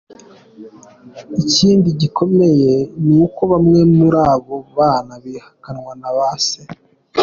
Ikindi gikomeye ni uko bamwe muri abo bana bihakanwa na ba se.